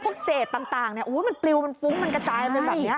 พวกเศษต่างมันปลิวมันฟุ้งมันกระจายไปแบบนี้